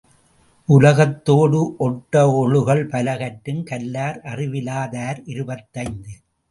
உலகத்தோடு ஒட்ட ஒழுகல் பலகற்றும் கல்லார் அறிவிலா தார் இருபத்தைந்து.